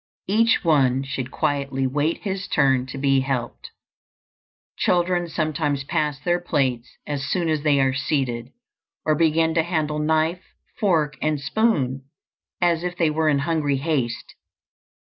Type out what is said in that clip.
Each one should quietly wait his turn to be helped. Children sometimes pass their plates as soon as they are seated, or begin to handle knife, fork, and spoon as if they were in hungry haste.